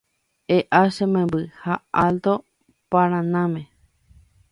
E'a che memby ha Alto Paranáme